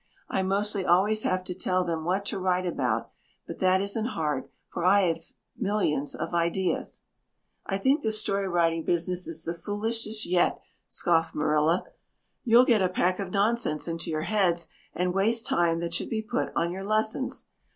I mostly always have to tell them what to write about, but that isn't hard for I've millions of ideas." "I think this story writing business is the foolishest yet," scoffed Marilla. "You'll get a pack of nonsense into your heads and waste time that should be put on your lessons.